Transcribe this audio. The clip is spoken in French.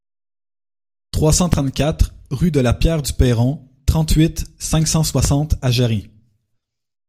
trois cent trente-quatre rue de la Pierre du Perron, trente-huit, cinq cent soixante à Jarrie